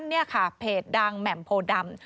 นี่ค่ะเพจดังแหม่มโพดำ